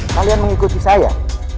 kalian mengikuti saya